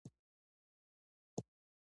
ماشومان په ارامه فضا کې زده کړې کوي.